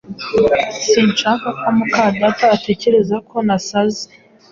Sinshaka ko mukadata atekereza ko nasaze.